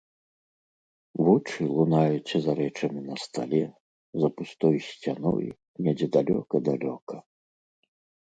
Вочы лунаюць за рэчамі на стале, за пустой сцяной недзе далёка-далёка.